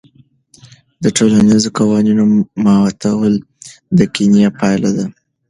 د ټولنیزو قوانینو ماتول د کینې پایله ده.